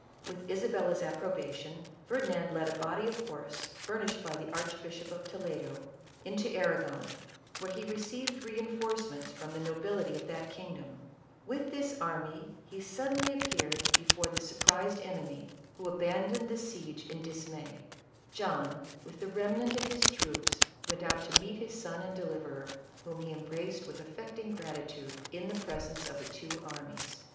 With Isabella's ap probation, Ferdinand led a body of horse furnished by the Archbishop of Toledo, into Arragon, where he re ceived reinforcements from the nobility of that king dom. With this army he suddenly appeared before ISABELLA OF CASTILE. 71 the surprised enemy, who abandoned the siege in dis may. John, with the remnant of his troops, went out to meet his son and deliverer, whom he embraced with affecting gratitude, in the presence of the two armies.